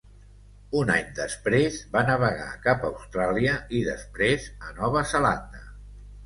Un any després va navegar cap a Austràlia i després a Nova Zelanda.